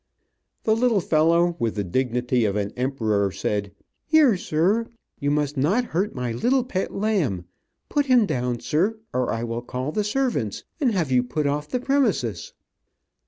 The little fellow, with the dignity of an emperor, said, "Here, sir, you must not hurt my little pet lamb. Put him down, sir, or I will call the servants and have you put off the premises."